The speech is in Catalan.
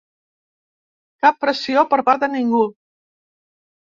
Cap pressió per part de ningú.